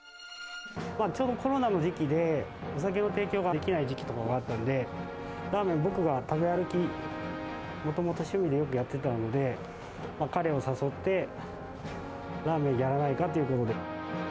ちょうどコロナの時期で、お酒の提供ができない時期とかもあったんで、ラーメン、僕が食べ歩き、もともと趣味でよくやってたので、彼を誘って、ラーメンやらないかということで。